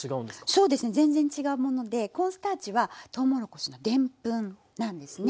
そうですね全然違うものでコーンスターチはとうもろこしのでんぷんなんですね。